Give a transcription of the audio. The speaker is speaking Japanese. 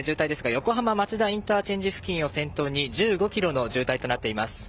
横浜町田ＩＣ付近を先頭に１５ｋｍの渋滞となっています。